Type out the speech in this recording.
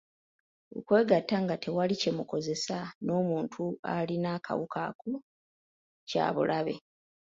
Okwegatta nga tewali kye mukozesezza n’omuntu alina akawuka ako kya bulabe.